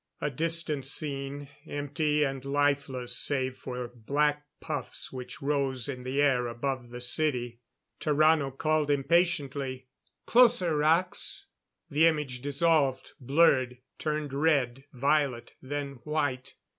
] A distant scene, empty and lifeless save for black puffs which rose in the air above the city. Tarrano called impatiently: "Closer, Rax!" The image dissolved, blurred; turned red, violet, then white.